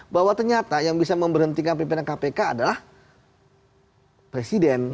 bahwa ternyata yang bisa memberhentikan pimpinan kpk adalah presiden